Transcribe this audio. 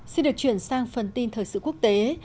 xin được chuyển sang phần tin thời sự quốc tế